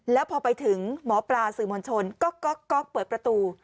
แล้วพอไปถึงหมอปลาสื่อมวลชนก็ก๊อกเปิดประตู